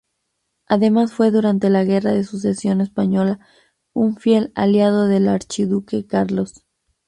Además fue durante la Guerra de Sucesión Española un fiel aliado del Archiduque Carlos.